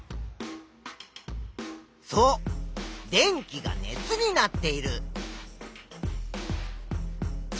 そう電気が熱になっている。